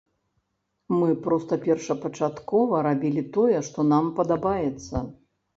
Мы проста першапачаткова рабілі тое, што нам падабаецца.